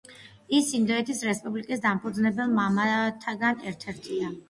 ის ინდოეთის რესპუბლიკის დამფუძნებელ მამათაგან ერთ-ერთია.